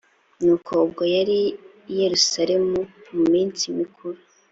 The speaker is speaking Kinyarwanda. nuko ubwo yari i yerusalemu mu minsi mikuru